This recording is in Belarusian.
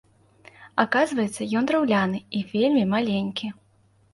Аказваецца, ён драўляны і вельмі маленькі.